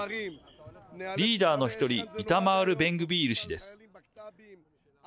リーダーの１人イタマール・ベングビール氏です。